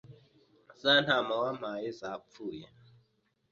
za ntama wampaga za pfuye